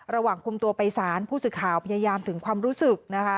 ระหว่างคุมตัวไปสารผู้สื่อข่าวพยายามถึงความรู้สึกนะคะ